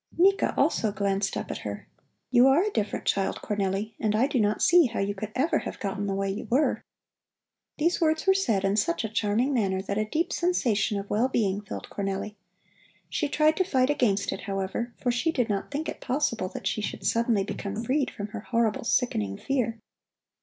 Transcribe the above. Nika also glanced up at her. "You are a different child, Cornelli, and I do not see how you could ever have gotten the way you were." These words were said in such a charming manner that a deep sensation of well being filled Cornelli. She tried to fight against it, however, for she did not think it possible that she should suddenly become freed from her horrible, sickening fear.